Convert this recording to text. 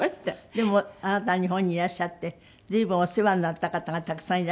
でもあなたは日本にいらっしゃって随分お世話になった方がたくさんいらっしゃるんですって？